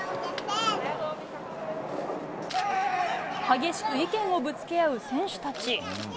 激しく意見をぶつけ合う選手たち。